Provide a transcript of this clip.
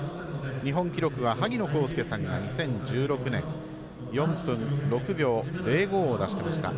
日本記録は萩野公介さんが２０１６年、４分６秒０５を出していました。